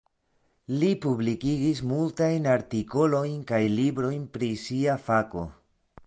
Li publikigis multajn artikolojn kaj librojn pri sia fako.